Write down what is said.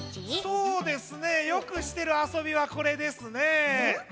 そうですねよくしてるあそびはこれですね。